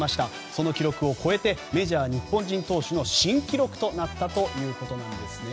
その記録を超えてメジャー日本人投手の新記録となったということです。